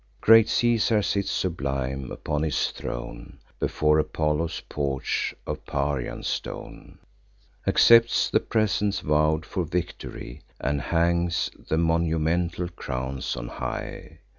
Great Caesar sits sublime upon his throne, Before Apollo's porch of Parian stone; Accepts the presents vow'd for victory, And hangs the monumental crowns on high.